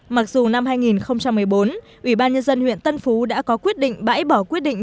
mặc dù năm hai nghìn một mươi bốn ủy ban nhân dân huyện tân phú đã có quyết định bãi bỏ quyết định